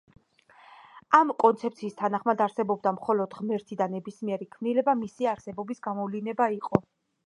ამ კონცეფციის თანახმად, არსებობდა მხოლოდ ღმერთი და ნებისმიერი ქმნილება მისი არსებობის გამოვლინება იყო.